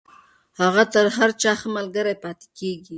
هغه تر هر چا ښه ملگرې پاتې کېږي.